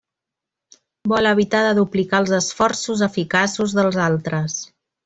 Vol evitar de duplicar els esforços eficaços dels altres.